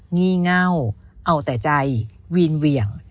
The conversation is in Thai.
งี่เง่าเอาแต่ใจวีนเหวี่ยง